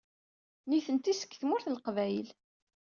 Nitenti seg Tmurt n Leqbayel.